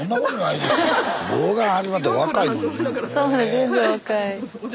全然若い。